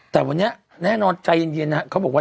แต่วันนี้แน่นอนใจเย็นนะ